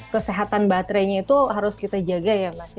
kesehatan baterainya itu harus kita jaga ya mas